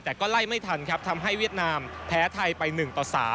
แต่ก็ไล่ไม่ทันครับทำให้เวียดนามแพ้ไทยไป๑ต่อ๓